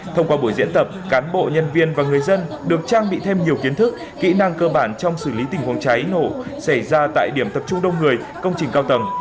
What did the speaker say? thông qua buổi diễn tập cán bộ nhân viên và người dân được trang bị thêm nhiều kiến thức kỹ năng cơ bản trong xử lý tình huống cháy nổ xảy ra tại điểm tập trung đông người công trình cao tầng